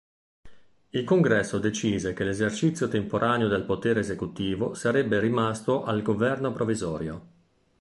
Il congresso decise che l'esercizio temporaneo del potere esecutivo sarebbe rimasto al governo provvisorio.